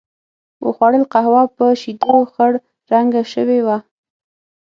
و خوړل، قهوه په شیدو خړ رنګه شوې وه.